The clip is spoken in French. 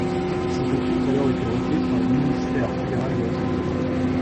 Ses fonctions ont alors été reprises par le ministère fédéral de la Santé.